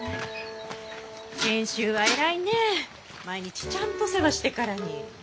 毎日ちゃんと世話してからに。